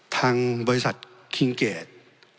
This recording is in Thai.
ทางบริษัทคิงเกจ